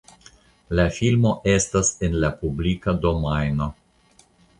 La filmo estas en la publika domajno.